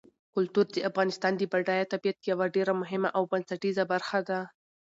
کلتور د افغانستان د بډایه طبیعت یوه ډېره مهمه او بنسټیزه برخه ده.